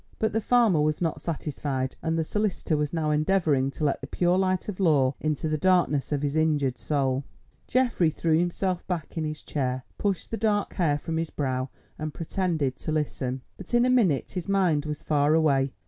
But the farmer was not satisfied, and the solicitor was now endeavouring to let the pure light of law into the darkness of his injured soul. Geoffrey threw himself back in his chair, pushed the dark hair from his brow, and pretended to listen. But in a minute his mind was far away.